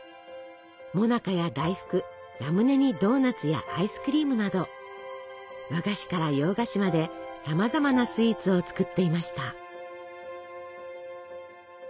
もなかや大福ラムネにドーナツやアイスクリームなど和菓子から洋菓子までさまざまなスイーツを作っていました。